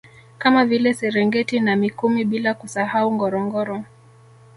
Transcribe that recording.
Kama vile Serengeti na Mikumi bila kusahau Ngorongoro